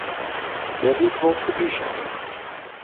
Dêr hie ’k wol fidúsje yn.